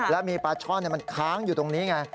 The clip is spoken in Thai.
แล้วมีปลาช่อนมันค้างอยู่ตรงนี้ไง